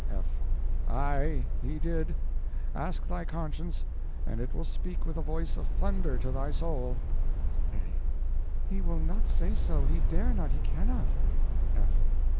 F. Aye, he did. Ask thy conscience, and it will speak with a voice of thunder to thy soul. A. He will not say so, he dare not, he cannot. F.